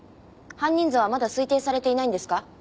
犯人像はまだ推定されていないんですか？